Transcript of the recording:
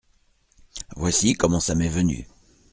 Voici comment ça m’est venu…